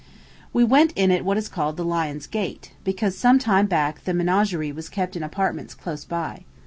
We went in at what is called the Lion's Gate, because some time back the menagerie was kept in apartments close by.